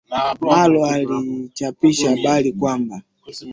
alo lilichapisha habari kwamba